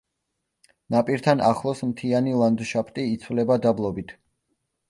ნაპირთან ახლოს მთიანი ლანდშაფტი იცვლება დაბლობით.